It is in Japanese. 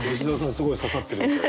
すごい刺さってるみたい。